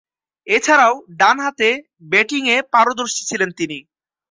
এছাড়াও, ডানহাতে ব্যাটিংয়ে পারদর্শী ছিলেন তিনি।